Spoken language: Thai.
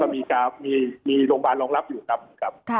มีโรงพยาบาลรองรับอยู่ครับ